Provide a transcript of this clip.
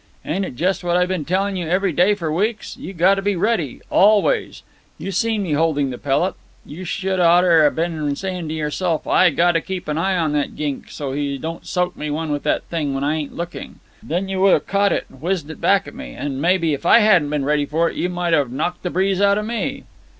"Ain't it just what I been telling you every day for weeks? You gotta be ready always. You seen me holding the pellet. You should oughter have been saying to yourself: 'I gotta keep an eye on that gink, so's he don't soak me one with that thing when I ain't looking.' Then you would have caught it and whizzed it back at me, and maybe, if I hadn't been ready for it, you might have knocked the breeze out of me."